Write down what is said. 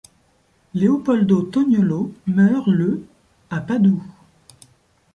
Leopoldo Toniolo meurt le à Padoue.